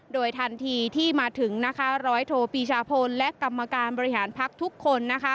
โดยทันทีที่มาถึงร้อยโทรปรีชาพลและกรรมการบริหารภักดิ์ทุกคน